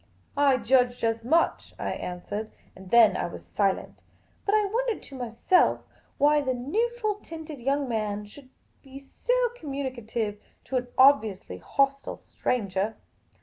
" I judged as much," I answered. And then I was silent. But I wondered to myself why the neutral tinUd young man should be so communicative to an obviously hostile stranger.